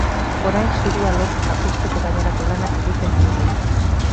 Orain, zubia lotuta uzteko gainerako lanak egiten ari dira.